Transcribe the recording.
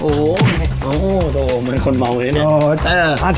โอ้โฮโอ้โฮมันคนนี้เนี่ย